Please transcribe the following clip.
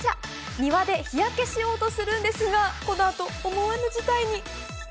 庭で日焼けしようとするんですが、このあと思わぬ事態に。